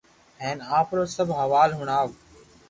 ھين آپرو سب حوال ھڻاو